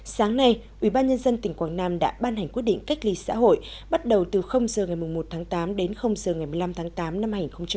sáng nay ubnd tỉnh quảng nam đã ban hành quyết định cách ly xã hội bắt đầu từ giờ ngày một mươi một tháng tám đến giờ ngày một mươi năm tháng tám năm hai nghìn hai mươi